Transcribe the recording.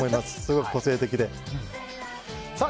すごく個性的で。